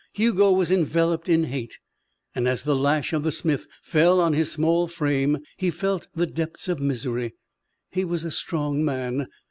Hugo was enveloped in hate. And, as the lash of the smith fell on his small frame, he felt the depths of misery. He was a strong man.